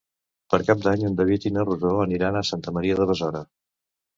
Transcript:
Per Cap d'Any en David i na Rosó aniran a Santa Maria de Besora.